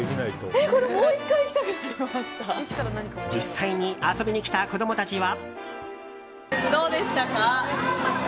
実際に遊びに来た子供たちは？